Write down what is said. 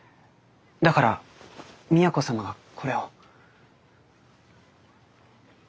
だから都様がこれを。